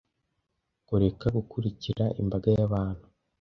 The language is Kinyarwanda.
Kureka gukurikira imbaga y'abantu.